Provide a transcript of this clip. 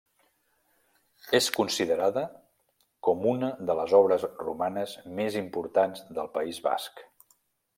És considerada com una de les obres romanes més importants del País Basc.